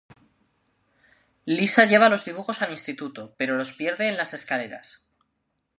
Lisa lleva los dibujos al instituto, pero los pierde en las escaleras.